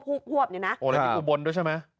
อุณหภูมิบนด้วยใช่ไหม